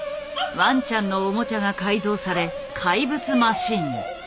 ワンちゃんのオモチャが改造され怪物マシンに。